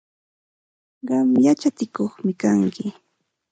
Qam yachatsikuqmi kanki.